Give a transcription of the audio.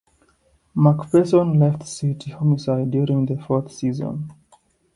MacPherson left "City Homicide" during the fourth season.